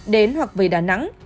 đến hoặc về đà nẵng